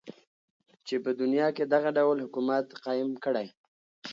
چی په دنیا کی دغه ډول حکومت قایم کړی.